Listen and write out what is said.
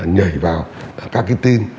nhảy vào các cái tin